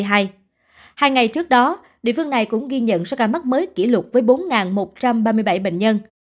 hai ngày trước đó địa phương này cũng ghi nhận số ca mắc mới kỷ lục với bốn một trăm ba mươi bảy bệnh nhân